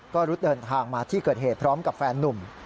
ก็รุดเดินทางมาที่เกิดเหตุพร้อมกับแฟนนุ่ม